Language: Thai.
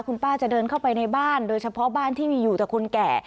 คุณป้าจะเดินเข้าไปในบ้านโดยเฉพาะบ้านที่มีอยู่แต่คนแก่